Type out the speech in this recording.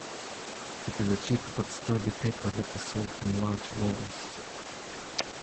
It is a cheap but sturdy paper that is sold in large rolls.